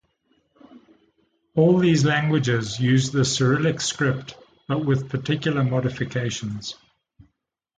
All these languages use the Cyrillic script, but with particular modifications.